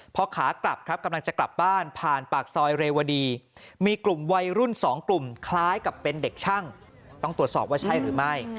พอขากลับครับกำลังจะกลับบ้านผ่านปากซอยเรวดีมีกลุ่มวัยรุ่น๒กลุ่มคล้ายกับเป็นเด็กช่างต้องตรวจสอบว่าใช่หรือไม่